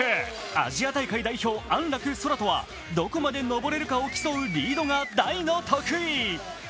アジア大会代表・安楽宙斗はどこまで登れるかを競うリードが大の得意。